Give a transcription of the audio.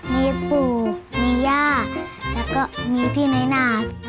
มีปู่มีย่าแล้วก็มีพี่น้อยนา